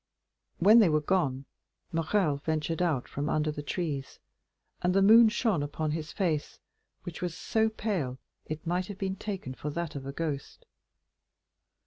When they were gone, Morrel ventured out from under the trees, and the moon shone upon his face, which was so pale it might have been taken for that of a ghost.